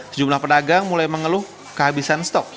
sejumlah pedagang mulai mengeluh kehabisan stok